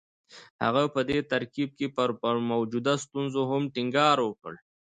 هغه په دې ترکيب کې پر موجودو ستونزو هم ټينګار وکړ.